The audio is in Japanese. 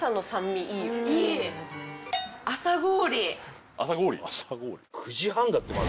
朝氷。